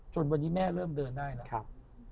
จนวันนี้แม่เริ่มเดินได้แล้ว